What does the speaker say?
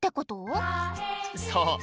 そう！